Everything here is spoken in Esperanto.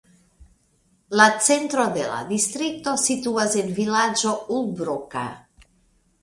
La centro de la distrikto situas en vilaĝo Ulbroka.